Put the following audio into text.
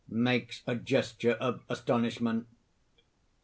(_Makes a gesture of astonishment.